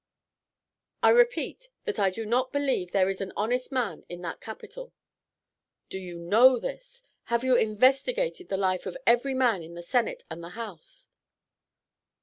"I repeat that I do not believe there is an honest man in that Capitol." "Do you know this? Have you investigated the life of every man in the Senate and the House?"